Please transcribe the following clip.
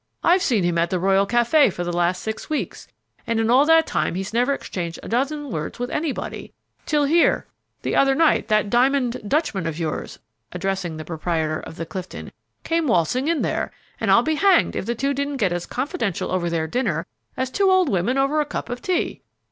I've seen him at the Royal Café for the last six weeks, and in all that time he's never exchanged a dozen words with anybody, till here, the other night, that diamond Dutchman of yours," addressing the proprietor of the Clifton, "came waltzing in there, and I'll be hanged if the two didn't get as confidential over their dinner as two old women over a cup of tea."